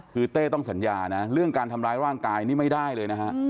คือเต้ต้องสัญญานะเรื่องการทำร้ายร่างกายนี่ไม่ได้เลยนะฮะ